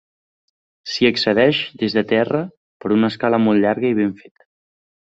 S'hi accedeix des de terra per una escala molt llarga i ben feta.